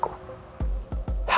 aku gak peduli lagi